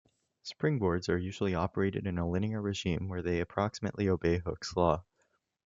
Springboards are usually operated in a linear regime where they approximately obey Hooke's law.